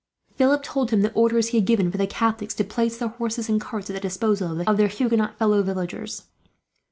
Philip told him the orders he had given, for the Catholics to place their horses and carts at the disposal of their Huguenot fellow villagers.